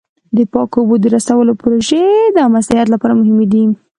د پاکو اوبو د رسولو پروژې د عامه صحت لپاره مهمې دي.